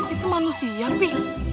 itu manusia pi